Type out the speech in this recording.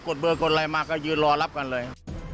ดเบอร์กดไลคมาก็ยืนรอรับกันเลย